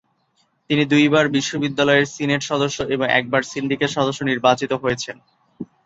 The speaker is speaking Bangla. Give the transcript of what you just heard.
তিনি দুইবার বিশ্ববিদ্যালয়ের সিনেট সদস্য ও একবার সিন্ডিকেট সদস্য নির্বাচিত হয়েছেন।